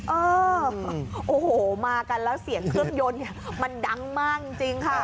เออโอ้โหมากันแล้วเสียงเครื่องยนต์เนี่ยมันดังมากจริงค่ะ